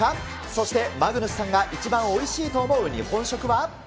そしてマグヌスさんが一番おいしいと思う日本食は。